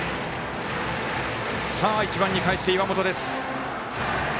１番にかえって、岩本です。